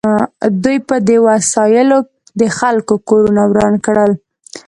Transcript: دوی په دې وسایلو د خلکو کورونه وران کړل